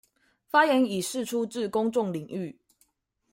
發言以釋出至公眾領域